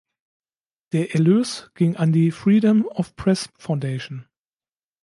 Der Erlös ging an die Freedom of the Press Foundation.